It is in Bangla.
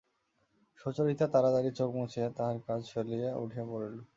সুচরিতা তাড়াতাড়ি চোখ মুছিয়া তাহার কাজ ফেলিয়া উঠিয়া পড়িল।